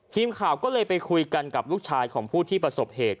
ทีมข่าวก็เลยไปคุยกันกับลูกชายของผู้ที่ประสบเหตุ